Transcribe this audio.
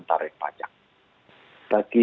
tarif pajak bagi